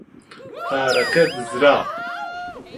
پارەکە دزرا.